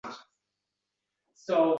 va Munavvar qori g'oyalaridan